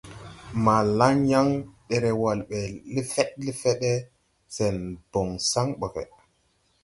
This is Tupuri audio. Maa laŋ yaŋ, derewal ɓe lefed lefede, sen bon san boge.